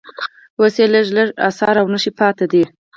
اوس یې لږ لږ اثار او نښې پاتې دي.